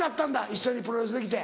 一緒にプロレスできて。